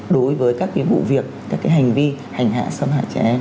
đối với các cái vụ việc các cái hành vi hành hạ xâm hại trẻ em